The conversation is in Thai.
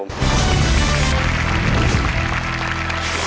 ขอบคุณครับ